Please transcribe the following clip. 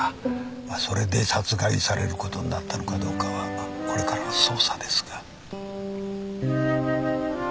まっそれで殺害されることになったのかどうかはこれからの捜査ですが。